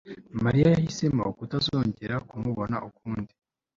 mariya yahisemo kutazongera kumubona ukundi